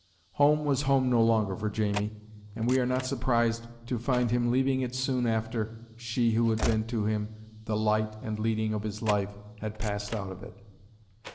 Home was home no longer for Jamie, and we are not surprised to find him leaving it soon after she who had been to him the light and leading of his life had passed out of it.